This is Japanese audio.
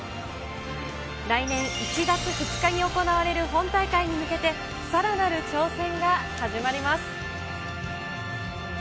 来年１月２日に行われる本大会に向けて、さらなる挑戦が始まります。